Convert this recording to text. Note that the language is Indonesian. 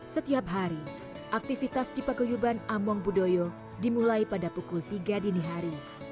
setiap hari aktivitas di paguyuban among budoyo dimulai pada pukul tiga dini hari